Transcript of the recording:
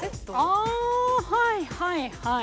あはいはいはい。